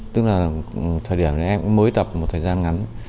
tức là thời điểm thì em mới tập một thời gian ngắn